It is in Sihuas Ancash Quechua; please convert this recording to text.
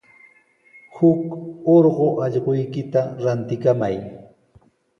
Huk urqu allquykita rantikamay.